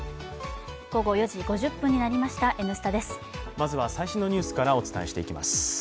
まずは最新のニュースからお伝えしていきます。